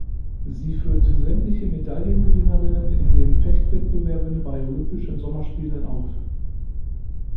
Sie führt sämtliche Medaillengewinnerinnen in den Fecht-Wettbewerben bei Olympischen Sommerspielen auf.